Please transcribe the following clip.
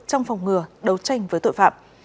trong phòng ngừa đấu tranh với tội phạm